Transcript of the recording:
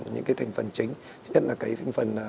những cái thành phần chính nhất là cái